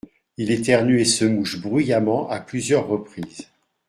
Il éternue et se mouche bruyamment à plusieurs reprises.